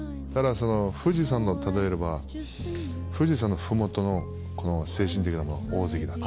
富士山の例えれば富士山の麓のこの精神的なのが大関だと。